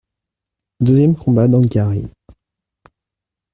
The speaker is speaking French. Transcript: Deuxième combat d'Anghiari.